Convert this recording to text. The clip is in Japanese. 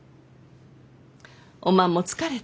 おまんも疲れたろう？